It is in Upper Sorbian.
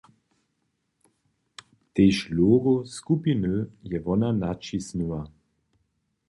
Tež logo skupiny je wona naćisnyła.